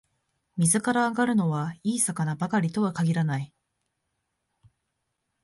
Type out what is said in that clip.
水から揚がるのは、いい魚ばかりとは限らない